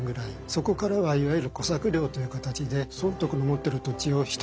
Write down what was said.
そこからはいわゆる小作料という形で尊徳の持ってる土地を人に貸してる。